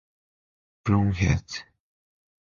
Bromhead.